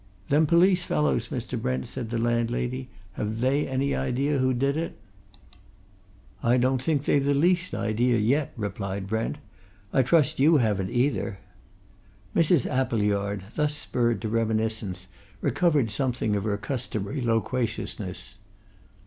"Them police fellows, Mr. Brent," said the landlady, "have they any idea who did it?" "I don't think they've the least idea yet," replied Brent. "I suppose you haven't, either?" Mrs. Appleyard, thus spurred to reminiscence, recovered something of her customary loquaciousness.